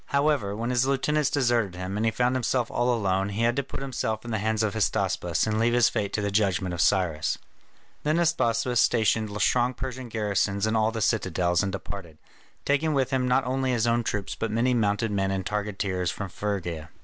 However, when his lieutenants deserted him and he found himself all alone, he had to put himself in the hands of Hystaspas, and leave his fate to the judgment of Cyrus. Then Hystaspas stationed strong Persian garrisons in all the citadels, and departed, taking with him not only his own troops but many mounted men and targeteers from Phrygia.